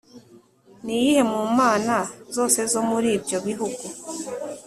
Ni iyihe mu mana zose zo muri ibyo bihugu